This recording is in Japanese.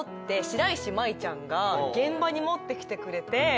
白石麻衣ちゃんが現場に持ってきてくれて。